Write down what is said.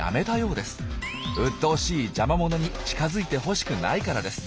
うっとうしい邪魔者に近づいてほしくないからです。